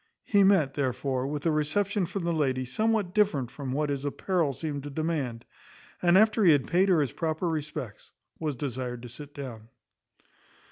He met, therefore, with a reception from the lady somewhat different from what his apparel seemed to demand; and after he had paid her his proper respects, was desired to sit down.